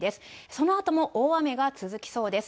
そのあとも大雨が続きそうです。